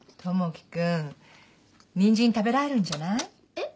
えっ？